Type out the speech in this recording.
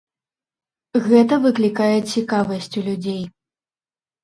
Гэта выклікае цікавасць у людзей.